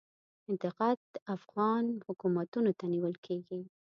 انتقاد افغان حکومتونو ته نیول کیږي.